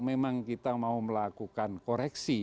memang kita mau melakukan koreksi